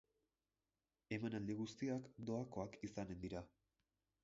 Emanaldi guztiak doakoak izanen dira.